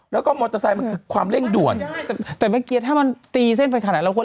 แล้วก็มอเตอร์ไซด์มันคือความเร่งด่วนมันไม่ได้แต่แม่เกียรติถ้ามันตีเส้นไปขนาดไหน